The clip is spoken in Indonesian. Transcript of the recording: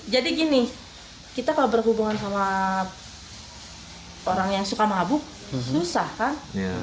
jadi gini kita kalau berhubungan sama orang yang suka mabuk susah kan